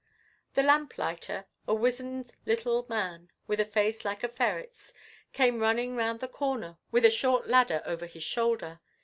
The lamplighter, a wizened little man with a face like a ferret's, came running round the corner with his short ladder over his shoulder.